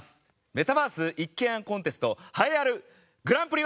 メタバース一軒家コンテスト栄えあるグランプリは。